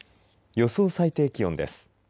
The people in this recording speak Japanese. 予想最低気温です。